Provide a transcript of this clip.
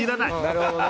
なるほどね。